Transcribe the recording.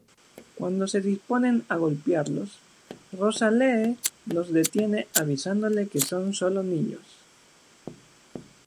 Cuando se disponen a golpearlos, Rosalee los detiene avisándole que son solo niños.